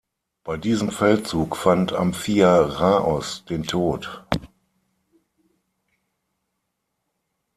Bei diesem Feldzug fand Amphiaraos den Tod.